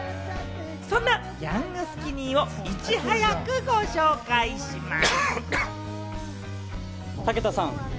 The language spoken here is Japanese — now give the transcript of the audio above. そんなヤングスキニーをいち早くご紹介します。